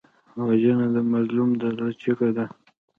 وژنه د مظلوم د زړه چیغه ده